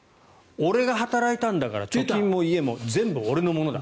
俺が働いたんだから貯金も家も全部俺のものだ。